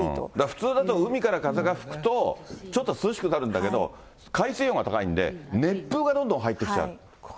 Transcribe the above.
普通だったら、海から風が吹くと、ちょっと涼しくなるんだけど、海水温が高いんで、熱風がどんどん入ってきちゃう。